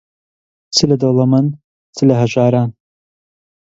چ لە دەوڵەمەن، چ لە هەژاران